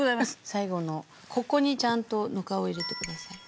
最後のここにちゃんとぬかを入れてください。